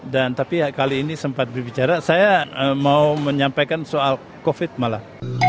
dan tapi kali ini sempat berbicara saya mau menyampaikan soal covid malah